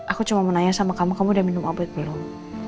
aku cuma menanya sama kamu kamu udah minum obat belum